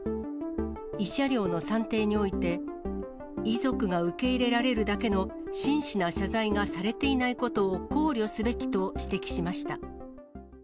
慰謝料の算定において、遺族が受け入れられるだけの真摯な謝罪がされていないことを考慮すべきと指摘しました。